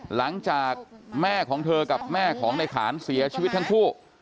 หลังจากแม่ของเธอกับแม่ของในขานเสียชีวิตทั้งคู่